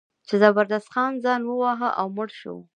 چې زبردست خان ځان وواهه او مړ شو.